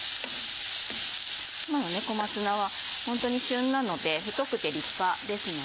もう小松菜はホントに旬なので太くて立派ですので。